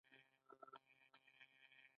هغه مامور چې دنده یې بالفعل نه وي.